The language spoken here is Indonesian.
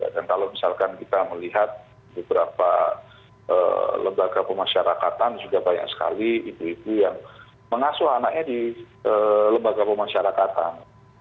dan kalau misalkan kita melihat beberapa lembaga pemasyarakatan juga banyak sekali ibu ibu yang mengasuh anaknya di lembaga pemasyarakatan